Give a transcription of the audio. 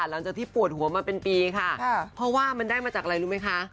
หลังจากที่ปวดหัวมาเป็นปีค่ะเพราะว่ามันได้มาจากอะไรรู้ไหมคะ